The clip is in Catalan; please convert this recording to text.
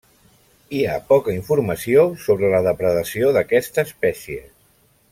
Hi ha poca informació sobre la depredació d’aquesta espècie.